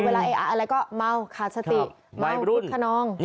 เออะอะไรก็เมาขาดสติเมาคึกขนอง